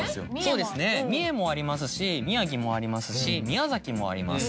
そうですね三重もありますし宮城もありますし宮崎もあります。